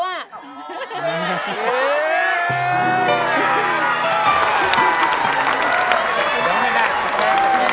อะไรนะ